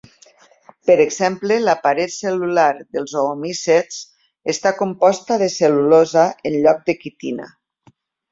Per exemple la paret cel·lular dels oomicets està composta de cel·lulosa en lloc de quitina.